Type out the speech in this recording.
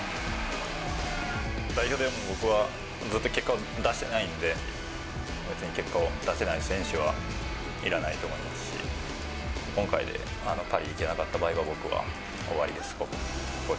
代表でも、僕はずっと結果を出してないんで、結果を出せない選手は、いらないと思いますし、今回でパリ行けなかった場合は、僕は終わりです。